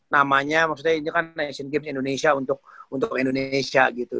namanya maksudnya ini kan asian games indonesia untuk indonesia gitu